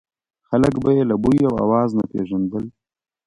خلک به یې له بوی او اواز نه پېژندل.